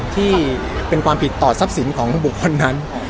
ที่เป็นความผิดต่อทรัพย์สินของบุคคลนั้น